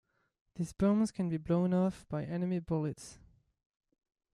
These bombs can be blown off by enemy bullets.